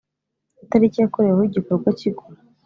itariki yakoreweho igikorwa cy igura